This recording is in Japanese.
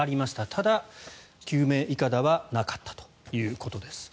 ただ、救命いかだはなかったということです。